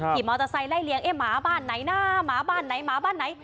มอเตอร์ไซค์ไล่เลี้ยเอ๊ะหมาบ้านไหนนะหมาบ้านไหนหมาบ้านไหน